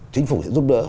chính phủ sẽ giúp đỡ